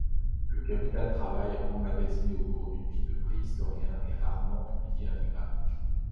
Le capital-travail emmagasiné au cours d'une vie de préhistorien est rarement publié intégralement.